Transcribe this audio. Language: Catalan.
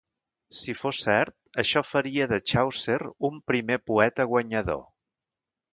Si fos cert, això faria de Chaucer un primer poeta guanyador.